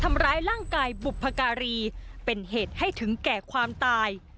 ทำร้ายร่างกายบุพการีเป็นเหตุให้ถึงแก่ความตาย